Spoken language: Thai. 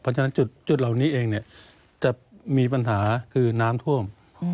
เพราะฉะนั้นจุดเหล่านี้เองจะมีปัญหาคือน้ำท่วม